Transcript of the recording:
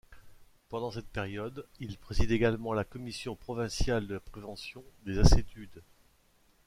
Pendant cette période, il préside également la Commission Provinciale de Prévention des Assuétudes.